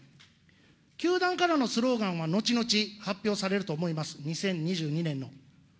球団からのスローガンは後々発表されると思います、２０２２年の。